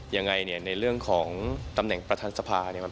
ยังไงในเรื่องของตำแหน่งประธานรัฐศภา